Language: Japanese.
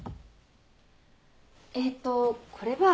えっとこれは。